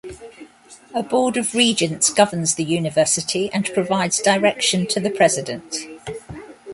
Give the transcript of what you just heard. A board of regents governs the university and provides direction to the President.